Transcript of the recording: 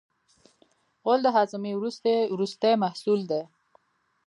غول د هاضمې وروستی محصول دی.